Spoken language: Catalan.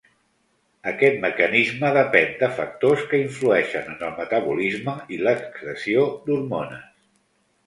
Aquest mecanisme depèn de factors que influeixen en el metabolisme i l'excreció d'hormones.